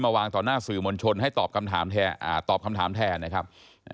มาวางต่อหน้าสื่อมวลชนให้ตอบคำถามแท้นะครับ